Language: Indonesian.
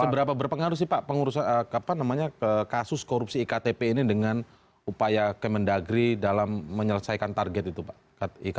seberapa berpengaruh sih pak pengurus kasus korupsi iktp ini dengan upaya kemendagri dalam menyelesaikan target itu pak ikn